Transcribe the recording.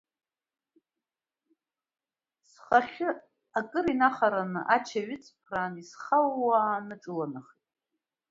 Схахьы акыр инахараны ача ҩаҵԥраан исхууааны аҿыланахеит.